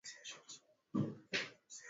Ndevu zake hazijawahi nyolewa